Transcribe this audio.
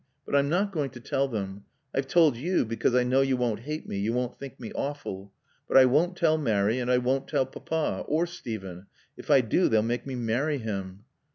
But I'm not going to tell them. I've told you because I know you won't hate me, you won't think me awful. But I won't tell Mary, and I won't tell Papa. Or Steven. If I do they'll make me marry him."